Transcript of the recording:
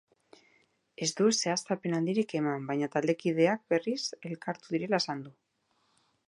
Ez du zehaztapen handirik eman baina taldekideak berriz elkartu direla esan du.